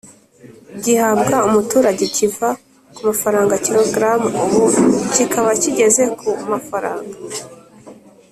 gihabwa umuturage kiva ku Frw kg ubu kikaba kigeze ku Frw